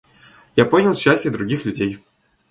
Я понял счастье других людей.